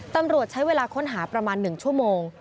ตำรวจใช้เวลาค้นหาประมาณ๑ชั่วโมง